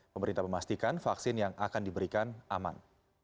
pemerintah memastikan vaksin yang akan diberikan aman